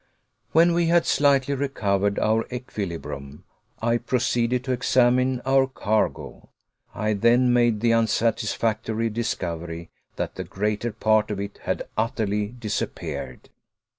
When we had slightly recovered our equilibrium, I proceeded to examine our cargo. I then made the unsatisfactory discovery that the greater part of it had utterly disappeared.